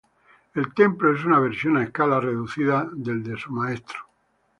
El templo es una versión a escala reducida del de su maestro.